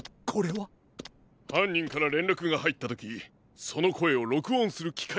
はんにんかられんらくがはいったときそのこえをろくおんするきかいです。